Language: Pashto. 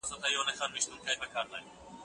د مقالي لیکل د شاګرد خپله دنده ده.